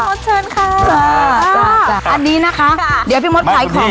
มดเชิญค่ะค่ะค่ะอันนี้นะคะเดี๋ยวพี่มดขายของก่อน